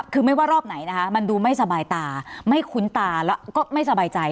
คือไม่ว่ารอบไหนนะคะมันดูไม่สบายตาไม่คุ้นตาแล้วก็ไม่สบายใจ